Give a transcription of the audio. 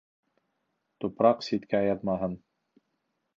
Тупраҡ ситкә яҙмаһын.